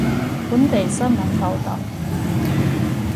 本地新聞報道